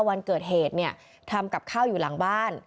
วันเกิดเหตุเนี่ยทำกับข้าวอยู่หลังบ้าน